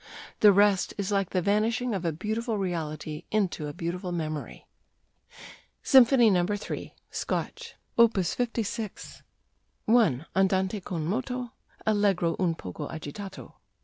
The rest is like the vanishing of a beautiful reality into a beautiful memory." SYMPHONY No. 3 ("SCOTCH"): Op. 56 1. Andante con moto Allegro un poco agitato 2.